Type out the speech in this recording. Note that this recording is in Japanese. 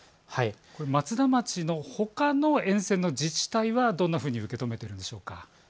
松田町のほかの沿線の自治体はどんなふうに受けとめているんでしょうか。